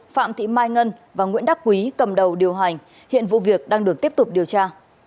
phạm thị mai ngân và nguyễn đắc quý cầm đầu điều hành hiện vụ việc đang được tiếp tục điều tra